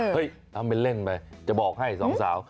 ทำเป็นเล่นไปจะบอกให้สองสาว